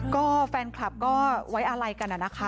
ก็แฟนคลับก็ไว้อะไรกันนะคะ